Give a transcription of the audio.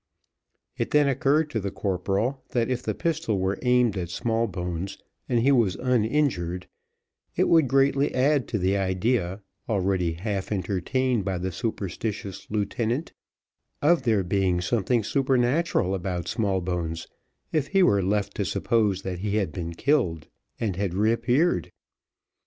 It then occurred to the corporal, that if the pistol were aimed at Smallbones, and he was uninjured, it would greatly add to the idea, already half entertained by the superstitious lieutenant, of there being something supernatural about Smallbones, if he were left to suppose that he had been killed, and had reappeared.